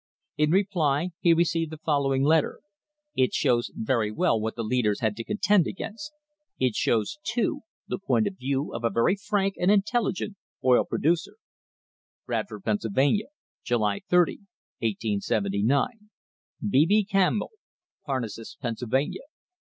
In reply he received the following letter. It shows very well what the leaders had to contend against. It shows, too, the point of view of a very frank and intelligent oil producer: " Bradford, Pennsylvania, July 30, 1870. " B. B. Campbell, J Parnassus, Pennsylvania.